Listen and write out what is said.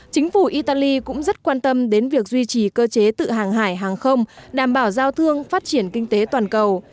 chính phủ italy cũng rất quan tâm đến việc duy trì cơ chế tự hàng hải hàng không đảm bảo giao thương phát triển kinh tế toàn cầu